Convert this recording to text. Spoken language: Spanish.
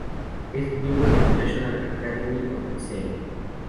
Es miembro de la National Academy of Design.